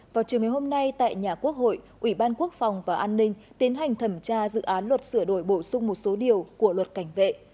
vào chiều ngày hôm nay tại nhà quốc hội ủy ban quốc phòng và an ninh tiến hành thẩm tra dự án luật sửa đổi bổ sung một số điều của luật cảnh vệ